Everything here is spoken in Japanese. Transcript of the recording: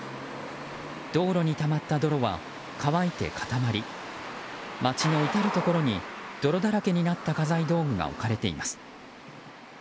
道路にたまった泥は乾いて固まり街の至るところに泥だらけになった家財道具が置かれています。